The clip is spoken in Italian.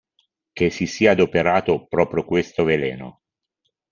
Che si sia adoperato proprio questo veleno.